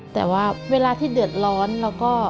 แต่ว่าเวลาที่เดือดร้อนเราก็